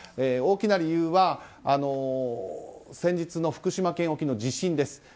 大きな理由は先日の福島県沖の地震です。